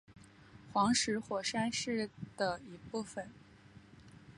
黄石火山是的一部分。